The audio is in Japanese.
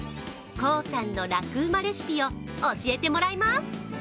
コウさんのラクうまレシピを教えてもらいます。